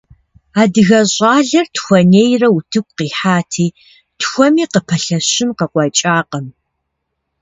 Адыгэ щӀалэр тхуэнейрэ утыку къихьати, тхуэми къыпэлъэщын къыкъуэкӀакъым.